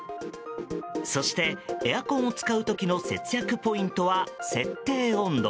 そして、エアコンを使う時の節約ポイントは設定温度。